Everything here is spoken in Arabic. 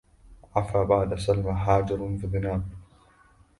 عفا بعد سلمى حاجر فذناب